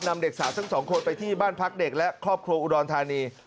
เด็กสาวทั้งสองคนไปที่บ้านพักเด็กและครอบครัวอุดรธานี